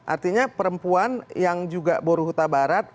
artinya perempuan yang juga boru huta barat